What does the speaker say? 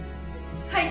はい！